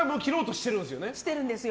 してるんですよ。